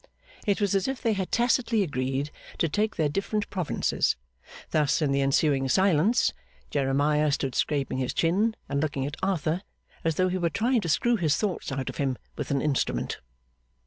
It was as if they had tacitly agreed to take their different provinces. Thus, in the ensuing silence, Jeremiah stood scraping his chin and looking at Arthur as though he were trying to screw his thoughts out of him with an instrument.